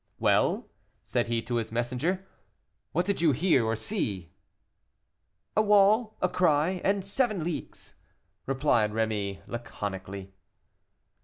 "Well," said he to his messenger, "what did you hear or see?" "A wall, a cry, seven leagues," replied Rémy laconically.